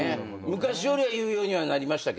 昔よりは言うようにはなりましたけど。